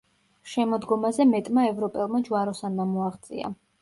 შემოდგომაზე მეტმა ევროპელმა ჯვაროსანმა მოაღწია.